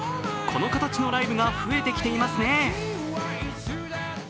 この形のライブが増えてきていますね。